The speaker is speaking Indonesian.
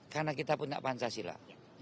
karena kita punya pancasila